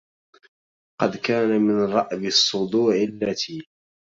قد كان من رأب الصدوع التي